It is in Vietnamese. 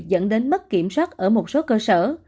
dẫn đến mất kiểm soát ở một số cơ sở